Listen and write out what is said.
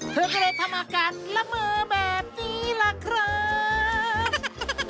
เธอก็เลยทำอาการละเมอแบบนี้ล่ะครับ